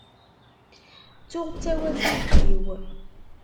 Tttuɣ d tawacult-iw.